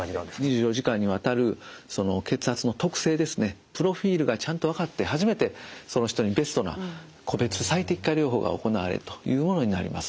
２４時間にわたるその血圧の特性ですねプロフィールがちゃんと分かって初めてその人にベストな個別最適化療法が行われるというものになります。